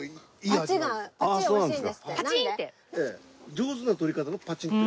上手な採り方のパチッて。